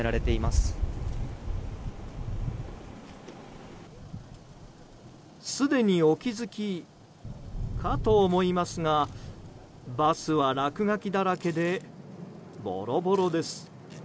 すでにお気づきかと思いますがバスは落書きだらけでボロボロです。